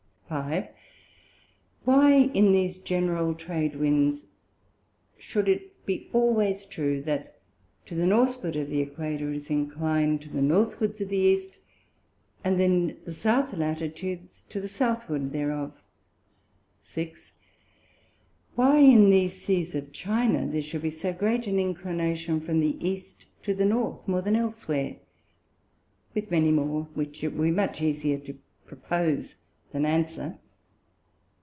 5. Why in these General Trade Winds it should be always true, that to the Northward of the Æquator it is inclin'd to the Northwards of the East; and in South Latitudes, to the Southward thereof? 6. Why in these Seas of China there should be so great an Inclination from the East to the North, more than elsewhere? with many more, which it would be much easier to propose than answer.